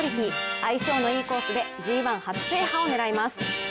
相性のいいコースでＧⅠ初制覇を狙います。